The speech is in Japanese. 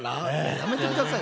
やめてください